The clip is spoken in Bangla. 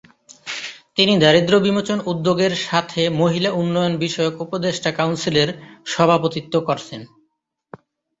তিনি দারিদ্র্য বিমোচন উদ্যোগের সাথে মহিলা উন্নয়ন বিষয়ক উপদেষ্টা কাউন্সিলের সভাপতিত্ব করছেন।